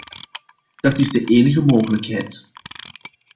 Dat is de enige mogelijkheid.